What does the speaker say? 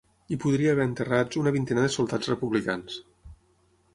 Hi podria haver enterrats una vintena de soldats republicans.